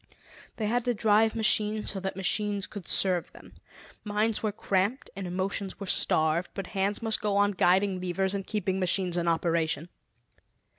They had to drive machines so that machines could serve them. Minds were cramped and emotions were starved, but hands must go on guiding levers and keeping machines in operation.